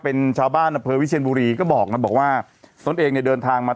เป็นชาวบ้านอำเภอวิเชียนบุรีก็บอกนะบอกว่าตนเองเนี่ยเดินทางมา